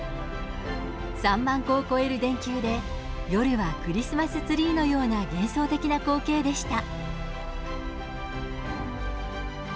３万個を超える電球で夜はクリスマスツリーのような幻想的な光景でした。